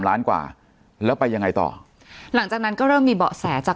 ล้านกว่าแล้วไปยังไงต่อหลังจากนั้นก็เริ่มมีเบาะแสจาก